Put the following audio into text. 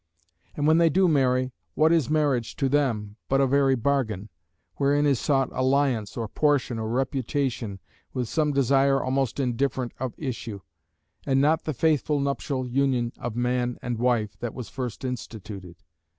And when they do marry, what is marriage to them but a very bargain; wherein is sought alliance, or portion, or reputation, with some desire (almost indifferent) of issue; and not the faithful nuptial union of man and wife, that was first instituted.